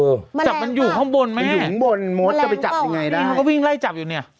จับมันอยู่ข้างบนแม่แรงกว้าวอ่ะมันก็วิ่งไล่จับอยู่เนี่ยหูยงบนมดจะไปจับยังไงได้